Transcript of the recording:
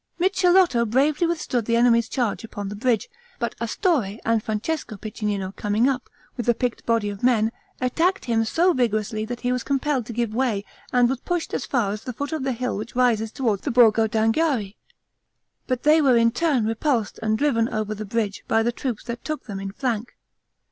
Micheletto bravely withstood the enemy's charge upon the bridge; but Astorre and Francesco Piccinino coming up, with a picked body of men, attacked him so vigorously, that he was compelled to give way, and was pushed as far as the foot of the hill which rises toward the Borgo d'Anghiari; but they were in turn repulsed and driven over the bridge, by the troops that took them in flank.